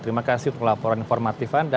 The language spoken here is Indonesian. terima kasih untuk laporan informatif anda